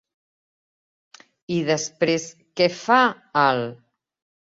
I després què fa, al??